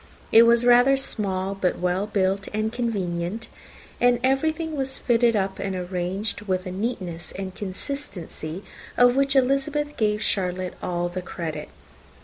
It was rather small, but well built and convenient; and everything was fitted up and arranged with a neatness and consistency, of which Elizabeth gave Charlotte all the credit.